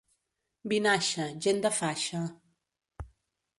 Vinaixa, gent de faixa.